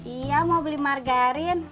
iya mau beli margarin